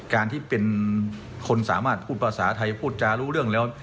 การที่เป็นคนสามารถพูดภาษาไทยพูดจารู้เรื่องแล้ว